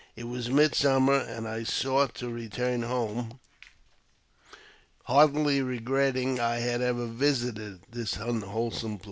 It was midsummer, and I sought to return home, heartily regretting I had ever visited this unwholesome place.